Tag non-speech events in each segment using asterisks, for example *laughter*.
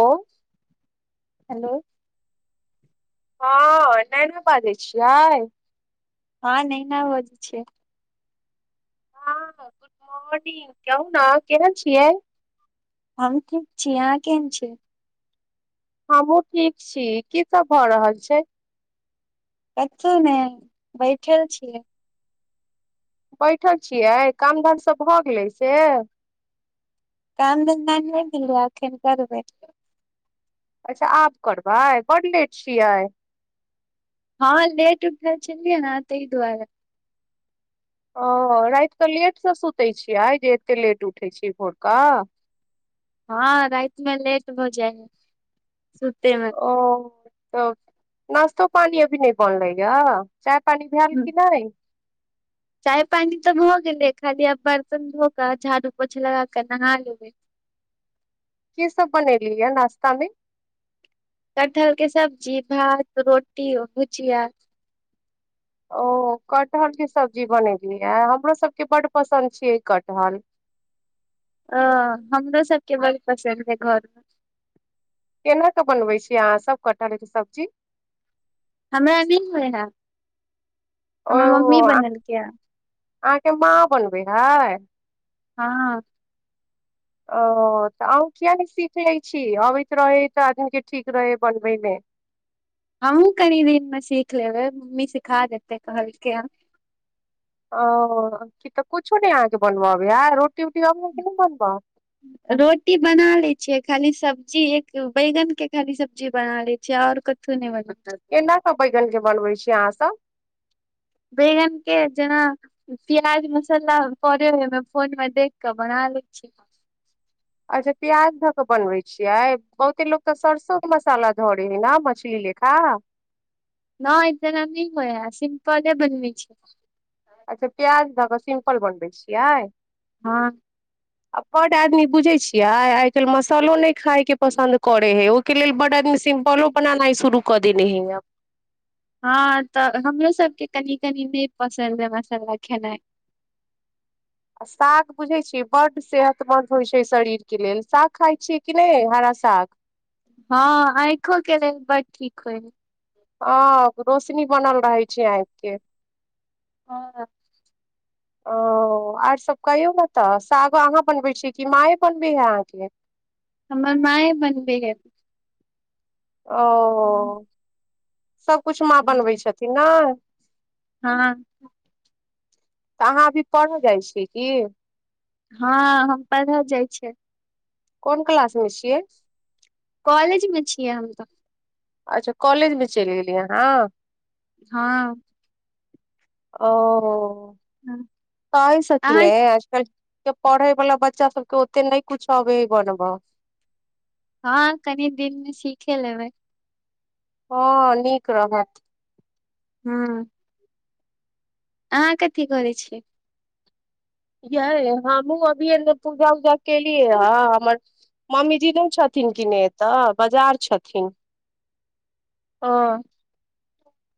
ओ hello. हाँ नैना बाजै छियै। हाँ नैना बोजे छिये। हाँ गुड मॉर्निंग कहु ने केहेन छियै। हम ठीक छी, अहाँ केहेन छियै। हमु ठीक छी की सब भऽ रहल छै। कछु ने बैठल छियै। बैठल छियै, काम धाम सब भऽ गेलै से। काम धंधा ने भेलो एखन करबे। अच्छा आब करबै, बड़ लेट छियै। हाँ लेट उठल छलियै ने तै दुआरे। औ रात के लेट से सुतै छियै जे एते लेट उठै छी भोर क। हाँ रात मे लेट भ जाय छै। औ। तऽ नाश्तो, पानी अभी ने बनलै या। चाय, पानी भेल की ने। चाय पानी तऽ भ गेलै, खाली आब बर्तन धो कऽ झाड़ू, पोछा लगा कऽ नहा लेबै। की सब बनैली या नाश्तामे। कटहल के सब्जी, भात, रोटी, भुजिया। ओ कटहल के सब्जी बनैली या, हमरो सबके बड पसन्द छै कटहल। हाँ हमरो सबके बड़ पसन्द हय घरमे। केना के बनबै छीये अहाँ सब कटहर के सब्जी। हमरा नै होय हाए। ओहो अहा अहाँ के माँ बनबे हय। ह हाँ। औ तऽ अहौं किया ने सीख लै छी, आबैत रहै ते आदमीके ठीक रहै बनबैमे। हमहूँ कनि दिनमे सीख लेबै मम्मी सिखा देतै कहलके ह ओ क तऽ कुछो नहि अहाँके बनब अबयै रोटी बना लै छियै। खाली सब्जी एक बैगन के खाली सब्जी बना ले छी और कथु ने बना केना बैगन के बनबै छीयै अहाँ सब। बैगनके जेना प्याज मसाला पे ओयमे फोनमे देख कऽ बना लै छीयै अच्छा प्याज धऽ कऽ बनबै छियै बहुते लोक तऽ सरसों के मसाला ध रहे हइ ने मछली लेखा न इतना न होइ आ सिम्पले बनब छै। अच्छा प्याज दऽ कऽ सिम्पल बनबै छियै हँ आ बड्ड आदमी बुझै छियैइ आइ काल्हि मसालो नहि खायके पसन्द करै हइ ओहिके लेल बड्ड आदमी सिम्पलो बनेनाइ शुरू कऽ देने हइए। हँ तऽ हमरो सभके कनि कनि नइ पसन्द यए मसाला खेनाइ आ साग बुझैत छियै बड्ड सेहतमन्द होइ छै शरीरके लेल साग खाइ छियै कि नहि हरा साग हँ आँखओं के लेल बड ठीक होइ हे हँ रोशनी बनल रहै छै आँखि कऽ हँ ओ आर सभ कहियौ ने तऽ साग अहाँ बनबै छीए कि माँए बनबै हे अहाँके हमर माँऽ य बनबैय ओ सबकुछ माँ बनबै छथिन ने *inaudible* हँ। तऽ अहाँ अभी पढ़य जाइ छियै की। हँ हम पढ़अ जाइ छियै। कोन क्लास में छियै। कॉलेज मे छियै हम त। अच्छा कॉलेजमे चलि गेलियै अहाँ। हँ। ओ। कहि सकी अहाँ ने आजकल। के पढ़ैवला बच्चा सबके ओते नहि किछु अबैऽ बनवऽ। हँ कनी दिनमे सीखे लेबै। हँ नीक रहत। हँ। अहाँ कथी करै छियै। यह हमहूँ अभी ए पूजा उजा केलियै हे। हमर मम्मीजी नहि छथिन। कि नहि एतऽ बाजार छथिन। ह।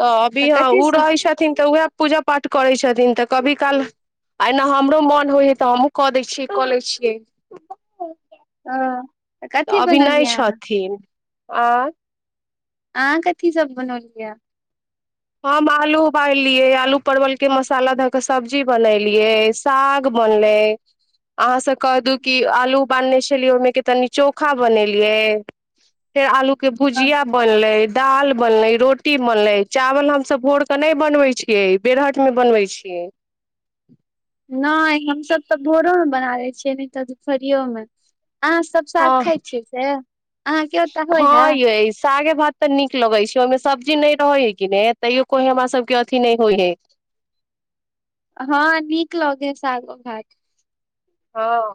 त अभी हँ ओ रहै छथिन। तऽ उएह। पूजा पाठ करै छथिन। तऽ कभी काल आना हमरो मोन होइ हइ। तऽ हमहुँ कऽ दै छियै कऽ लै छियै। ओ तऽ कथी अभी नहि बनलियै अहाँ। छथिन आ। आ कथी सब बनौलियै। हम आलू उबाललियै। आलू परवलके मसाला धऽ कऽ। सब्जी बनेलियै साग बनलै। अहाँसँ कहहि दू। कि आलू उ बान्ने छलियै। ओहिमेके तनि चोखा बनेलियै फेर आलू। के अ, भुजिया बनलै दाल बनलै रोटी बनलै चावल हमसब भोर कऽ नहि बनबै छियै बेरहटमे बनबै छियै नहि हमसब तऽ भोरोमे बना लै छियै नहि तऽ दुपहरियो मे अहाँ सब साग हँ खाइ छियै से अहाँ के ओतऽ होइ हँ हे यै सागे भात तऽ नीक लगै छै ओहिमे सब्जी नहि रहै है कि नहि तैयो कोइ हमरा सबके अथी नहि होइ है हँ नीक लगै सागो भात हँ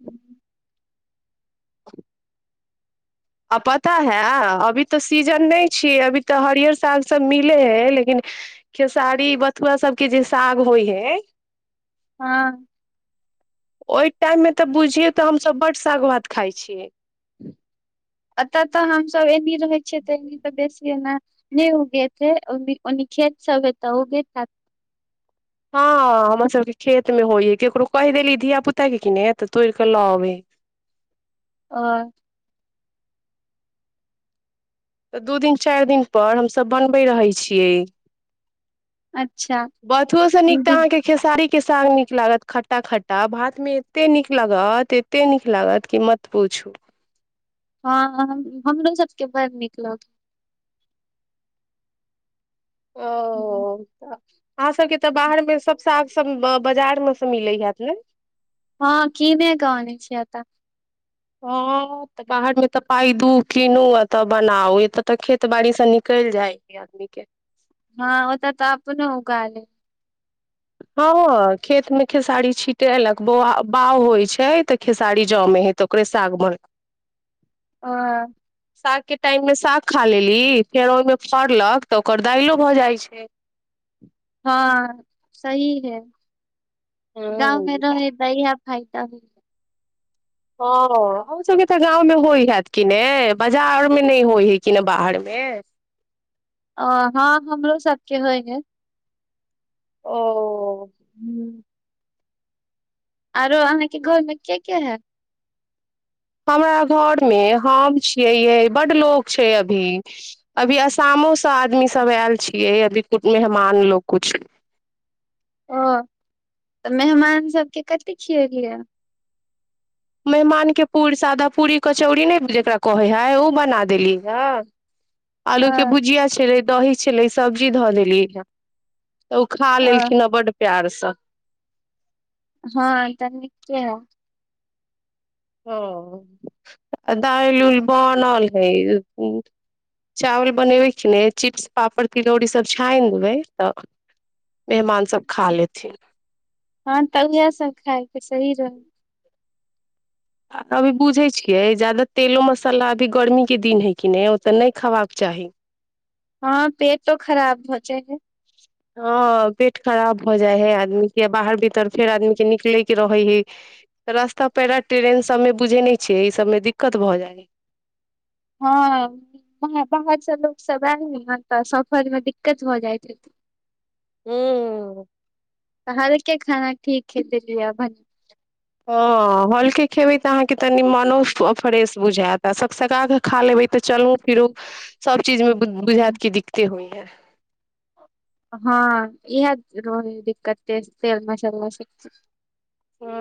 हम्म आ पता हए अभी तऽ सीजन नहि छियै अभी तऽ हरियर सागसब मिलै हइ लेकिन खेसारी बथुआ सबके जे साग होइ हइ हँ ओहि टाइममे तऽ बुझियै तऽ हमसब बड्ड सागभात खाइ छियै एतय तऽ हमसब एनी रहै छियै तऽ एनी तऽ बेसी एना नहि उगइत हे ओनी खेत सब हे तऽ उगइत हैत हँ हमर सबके खेतमे होइय है केकरो कहि देली धियापुताके किने तऽ तोड़ि कऽ लऽ अबै अ तऽ दू दिन चारि दिनपर हमसभ बनबैत रहै छियै अच्छा बथुओ से नीक तऽ अहाँके खेसारी के साग नीक लागत खट्टा खट्टा भात मे एते नीक लागत एते नीक लागत क मत पूछू हँ हम हमरो सभके बड़ नीक लगै ओ तऽ अहाँ सबके तऽ बाहर मे सब साग सब बाजार मे से मिलै हत ने हँ कीने क अनै छिय एतऽ हँ तऽ बाहरमे तऽ पाय दू कीनू आ तब बनाउ एतऽ तऽ खेत बाड़ीसँ निकलि जाइ है आदमी के हँ ओतऽ तऽ अपनो उगा लय हँ हँ खेतमे खेसारी छिटलक बौ बाउ होइ छै तऽ खेसारी जमे हे त ओकरे सागम ह सागके टाइममे साग खा लेली फेर ओहिमे फड़लक तऽ ओकर दाइलो भऽ जाइत छै हँ सही है गाँव मे हूँ। रहै है त इएहे खाय त ह हँ अहुंँ सभके तऽ गाँवमे होइ हएत कि नहि बाजारमे नहि होइ हइ कि ने बाहरमे अ हँ हमरो सबके होय है ओ हू आरो अहाँके घरमे के के हे हमरा घरमे हम छियै यै बड्ड लोक छै अभी अभी आसामो सँ आदमी सभ आयल छियै अभी कुटुम मेहमान लोक कुछ ओ तऽ मेहमान सभके कथि खियलयए मेहमानके पूरी सादा पूरी कचौड़ी नहि जकरा कहै हइ ओ बना देली ह आलू अ के भुजिया छलै दही छलै सब्जी धऽ देलीये *unintelligible* तऽ ओ खा अ लेलखिनह बड प्यार से *unintelligible* हँ तनिके हे हँ दाइल उल बनल हइ चावल बनेबै कि नहि चिप्स पापड़ तिलौड़ीसभ छाइन लेबइ तऽ मेहमानसभ खा लेथिन। हँ तऽ उएहसभ खाएब तऽ सही रहब। अभी बुझै छियै जादा तेलो मसाला अभी गर्मीके दिन हइ कि नहि ओ तऽ नहि खयबाक चाही। हँ पेटो तो खराब भऽ जाय हइ। हँ पेट खराब भऽ जाइ हइ आदमीके आ बाहर भीतर फेर आदमीके निकलयके रहै हइ रस्ता पेरा ट्रेन सभमे बुझै नहि छिही इ सभमे दिक्कत भऽ जाइ हइ। हँ नैऽ बाहर स लोकसभ आयल हइ न तऽ सफरमे दिक्कत भऽ जाइत हइ। *unintelligible* तऽ हल्के खाना ठीक हेतै दि? *unintelligible* हँ हल्के खेबैइ तऽ अहाँके तनि मनो फ्रेश बुझायत आ सक सका कऽ खा लेबैइ तऽ चलूउ फिरूउ सभ? चीजमे बुझेत कि दिक्कते होइया। एह। हँ इह रोहे हइ दिक्कत तेज तेलमशाला सबके। हँ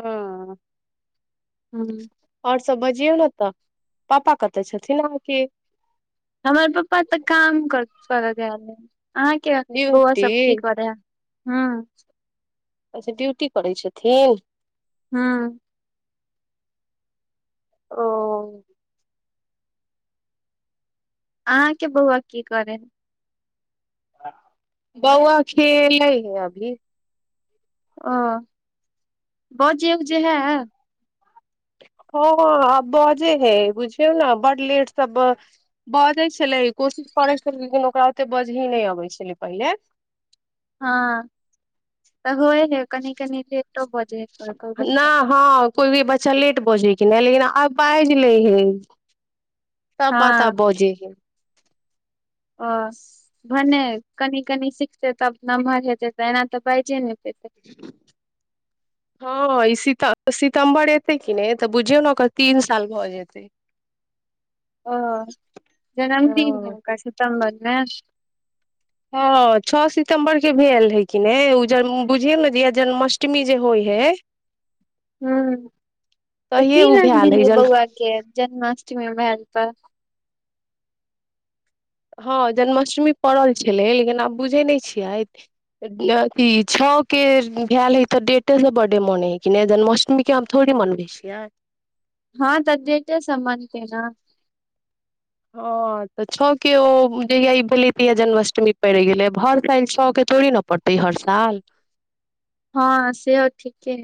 ह औरसब बज? जियौ न तऽ पापा कतऽ छथिन आहाँके। हमर पप्पा तऽ काम करऽ सरऽ गेएल हइ। अहाँके बौआ सब ड्यूटी की करैय हैऽ। हँ अच्छा ड्यूटी करैय छथिन। हाँ ओऽ अहाँके बौआ की कोरैय हेऽ? बौआ खेलय ह‌इ अभी। ओह बजै उजै हेऽ। हँ अ आब बजेय हइ बुझियौन बड लेटसँ बजैय छलैय कोशिश करैय छलैय लेकिन ओकरा ओते बजही नहि अबैय छलैय पहिलेऽ। हँ तऽ होइहै कनि कनि लेटो भऽ जयहे कोइ कोइ बच्चाके। अच्छा लेट बोजे हइ किने लेकिन आब बाजि लैय हइ इ। सबबात हँ आब बजैय हइ। ओ भने कनि कनि सिखते तब नमहर हेतैइ तऽ एना तऽ बाजे नहि पेत हँ अ इ सित सितम्बर एतै कि नहि तऽ बुझियौन ओकर तीन साल भऽ जेतैइ। ओ जन्मदिन हइ हँ ओअर सितम्बरमे नैह हँ छ सितम्बरके भेल हइ किने उजे बुझियने जे जन्माष्टमी जे होइ हइ हू त तहिये कि उ नाम भेल हइ देलीय जन्म बउआके जन्माष्टमीमे भेल तऽ? हँ जन्माष्टमी पड़ल छलै लेकिन आब बुझै नहि छियै कि छओके भेल हइ तऽ डेटेसँ बड्डे मनै हइ कि नहि जन्माष्टमीके हम थोड़े मनबै छियै। हँ त डेटे से मनतै न। हँ तऽ छऽ के ओ जहिया ई बेले तहिया जन्माष्टमी पड़ि गेलै हर साल छओके तोड़े ने पड़तै हर साल। हँ सेहो ठीके।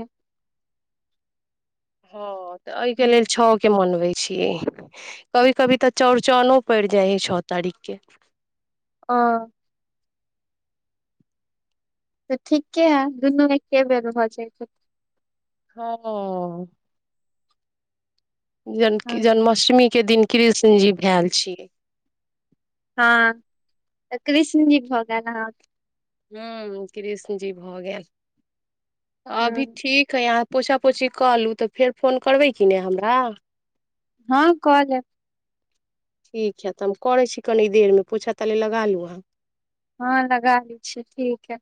ह तऽ ओहिके लेल छऽ। के मनबै छियै कभी कभी तऽ चौड़चनो पड़ि जाइ है छऽ तारीखके हँ तऽ ठीके है दुनू एके बेर भऽ जायतै। हँ हँ जन्की जन्माष्टमी के दिन कृष्ण जी भेल छियै। हँ तऽ कृष्ण जी भऽ गेल अहाँक हँ कृष्ण जी भऽ गेल। अ अभी ठीक है आब। पोछा पोछी कहलूँ तऽ फेर फोन करबै कि नहि हमरा हँ कह लेब। ठीक हए तऽ हम करैत छी कनि देरमे पोछा तानि लगा लू अहाँ हँ लगा लै छियै ठीक है।